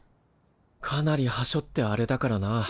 かなりはしょってあれだからな。